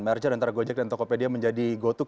merchan antara gojek dan tokopedia menjadi gotuk